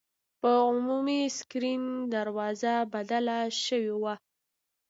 په عمومي سکرین دروازه بدله شوې وه.